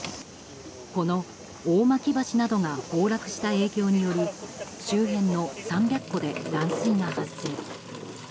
この大巻橋などが崩落した影響により周辺の３００戸で断水が発生。